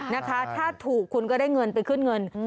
นะคะถ้าถูกคุณก็ได้เงินไปขึ้นเงิน